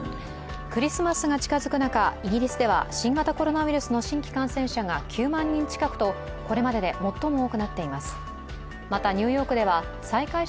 クリスマスが近づく中、イギリスでは新型コロナウイルスの感染者が９万人近くとこれまでで最も多くなっています。